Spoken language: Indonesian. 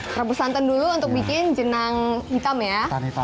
terbus tanten dulu untuk bikin jenang hitam ya